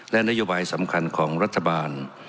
และนโยบายสำคัญของรัฐบาล